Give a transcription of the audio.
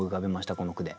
この句で。